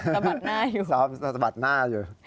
สะบัดหน้าอยู่ซ้อมสะบัดหน้าอยู่